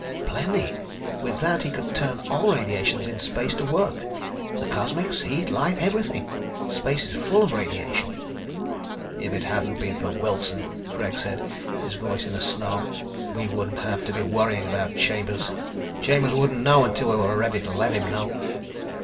"Plenty. With that he could turn all radiations in space to work. The cosmics, heat, light, everything. Space is full of radiation." "If it hadn't been for Wilson," Greg said, his voice a snarl, "we wouldn't have to be worrying about Chambers. Chambers wouldn't know until we were ready to let him know."